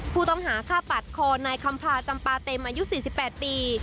ผู้ต้องหาฆ่าปัดคอนายคำพาจำปาเต็มอายุ๔๘ปี